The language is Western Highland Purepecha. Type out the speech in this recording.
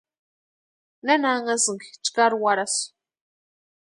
¿Nena anhasïnki chkari warhasï?